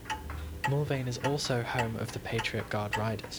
Mulvane is also home of the Patriot Guard Riders.